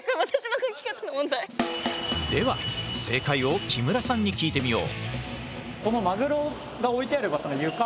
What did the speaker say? では正解を木村さんに聞いてみよう。